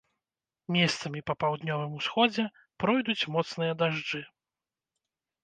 Месцамі па паўднёвым усходзе пройдуць моцныя дажджы.